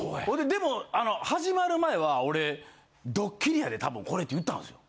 でも始まる前は俺「ドッキリやで多分これ」って言ったんですよ。